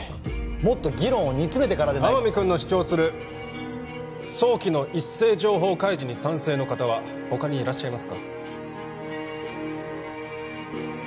もっと議論を煮詰めてからで天海君の主張する早期の一斉情報開示に賛成の方は他にいらっしゃいますか？